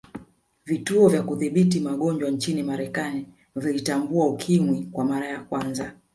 vituo vya Kudhibiti magonjwa nchini marekani vilitambua ukimwi kwa mara ya kwanza